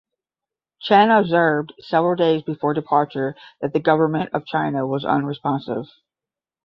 Chen observed several days before departure that the government of China was unresponsive.